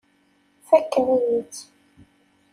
Fakken-iyi-tt.